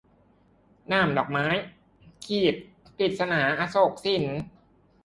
หนามดอกไม้ - กฤษณา อโศกสิน